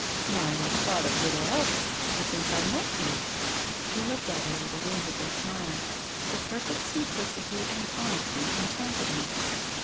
" Why, I've thought of little else ever since I met you." He looked at her with a whimsical smile. Her perfect simplicity and honesty enchanted him.